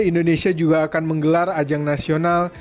indonesia juga akan menggelar ajang nasional